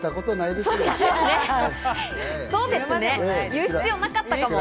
言う必要なかったかも。